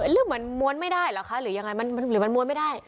หรือเหมือนม้วนไม่ได้เหรอคะหรือยังไงหรือมันม้วนไม่ได้